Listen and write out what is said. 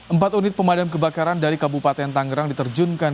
empat unit pemadam kebakaran dari kabupaten tangerang diterjunkan